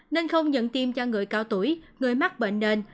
nên không nhận tiêm cho người cao tuổi người mắc bệnh nền